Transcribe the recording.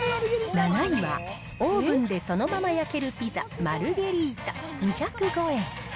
７位は、オーブンでそのまま焼けるピザマルゲリータ２０５円。